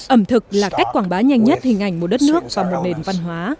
ẩm thực là cách quảng bá nhanh nhất hình ảnh một đất nước và một nền văn hóa